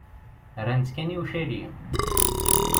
Rrant-tt kan i ucali.